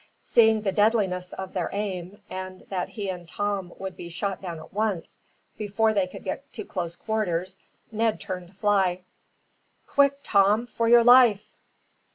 Seeing the deadliness of their aim, and that he and Tom would be shot down at once, before they could get to close quarters, Ned turned to fly. "Quick, Tom, for your life!"